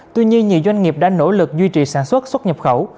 tuy nhiên nhiều doanh nghiệp đã nỗ lực duy trì sản xuất xuất nhập khẩu